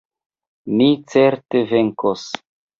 Ni certe venkos!